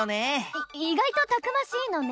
い意外とたくましいのね。